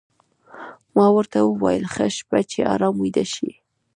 ما ورته وویل: ښه شپه، چې ارام ویده شې.